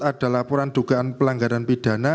ada laporan dugaan pelanggaran pidana